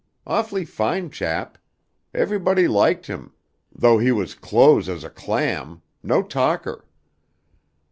Awfully fine chap. Everybody liked him, though he was close as a clam no talker.